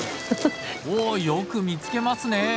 ハハッ。よく見つけますね。